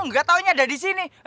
nggak tahunya ada di sini